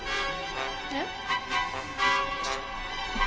えっ？